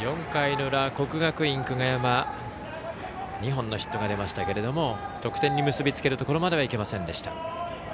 ４回の裏、国学院久我山２本のヒットが出ましたけども得点に結び付けるところまではいけませんでした。